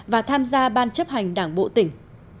và tham gia ban chấp hành đảng bộ tỉnh